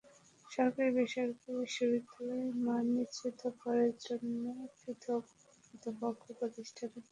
সরকারি-বেসরকারি বিশ্ববিদ্যালয়ের মান নিশ্চিত করার জন্য পৃথক কর্তৃপক্ষ প্রতিষ্ঠার বিকল্প নেই।